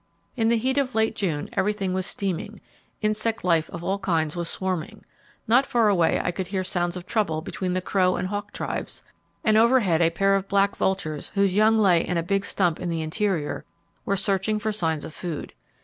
In the heat of late June everything was steaming; insect life of all kinds was swarming; not far away I could hear sounds of trouble between the crow and hawk tribes; and overhead a pair of black vultures, whose young lay in a big stump in the interior, were searching for signs of food.